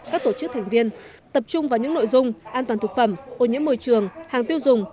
các tổ chức thành viên tập trung vào những nội dung an toàn thực phẩm ô nhiễm môi trường hàng tiêu dùng